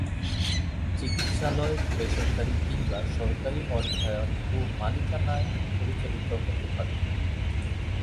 চিকিৎসালয় বেসরকারী কিংবা সরকারী অর্থায়ন ও মালিকানায় পরিচালিত হতে পারে।